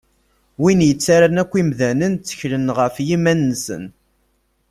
Win yettaran akk imdanen tteklen ɣef yiman-nsen.